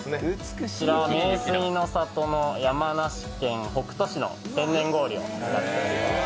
こちらは名水の里の山梨県北杜市の天然水を使っております。